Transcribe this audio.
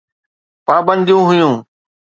پابنديون هيون.